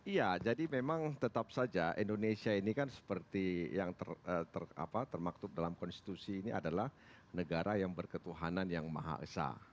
iya jadi memang tetap saja indonesia ini kan seperti yang termaktub dalam konstitusi ini adalah negara yang berketuhanan yang maha esa